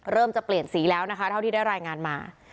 จะเปลี่ยนสีแล้วนะคะเท่าที่ได้รายงานมา